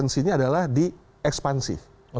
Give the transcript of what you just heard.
nah ekspansinya adalah di ekspansi